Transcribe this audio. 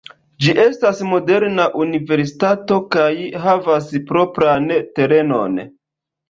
Ĝi estas moderna universitato kaj havas propran terenon.